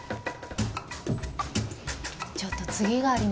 ちょっと次がありまして。